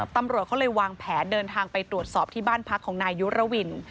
ตำรวจเขาเลยวางแผนเดินทางไปตรวจสอบที่บ้านพักของนายยุรวิน